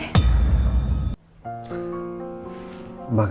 ketemunya sama gue